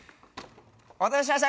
お待たせしました。